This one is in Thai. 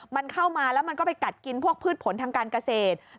มันเข้ามาแล้วมันก็ไปกัดกินพวกพืชผลทางการเกษตร